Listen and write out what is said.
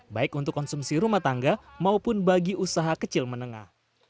baik untuk konsumsi rumah tangga maupun bagi usaha kecil menengah